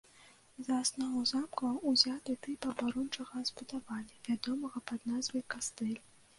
За аснову замка ўзяты тып абарончага збудавання, вядомага пад назвай кастэль.